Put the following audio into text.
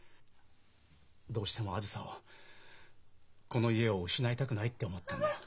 どうしてもあづさをこの家を失いたくないって思ったんだよ。